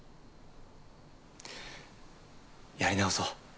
やり直そう。